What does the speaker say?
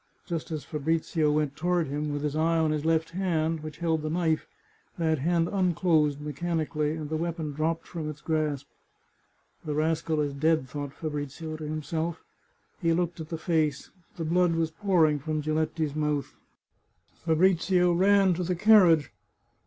Just as Fabrizio went toward him, with his eye on his left hand, which held the knife, that hand unclosed mechanically, and the weapon dropped from its grasp. " The rascal is dead," said Fabrizio to himself. He looked at the face; the blood was pouring from Giletti's mouth. 197 The Chartreuse of Parma Fabrizio ran to the carriage.